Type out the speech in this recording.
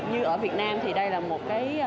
như ở việt nam thì đây là một cái